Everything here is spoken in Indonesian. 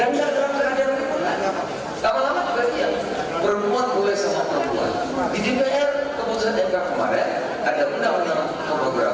bayangkan ibu ibu sudah ada lima